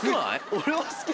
俺は好き。